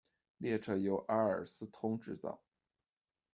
列车由阿尔斯通制造。